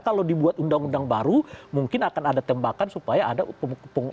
kalau dibuat undang undang baru mungkin akan ada tembakan supaya ada hukuman